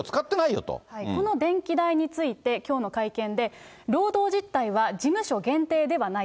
この電気代について、きょうの会見で、労働実態は事務所限定ではない。